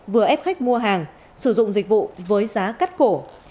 vừa ép khách mua hàng sử dụng dịch vụ với giá cắt cổ